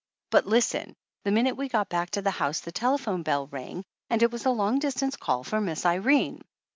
But listen ! The minute we got back to the house 247 THE ANNALS OF ANN the telephone bell rang and it was a long dis tance call for Miss Irene.